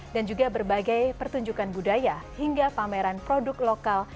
dan juga berbagai pertunjukan budaya hingga pameran produk lokal